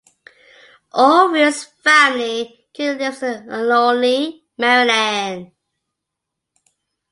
Auville's family currently lives in Olney, Maryland.